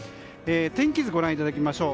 天気図ご覧いただきましょう。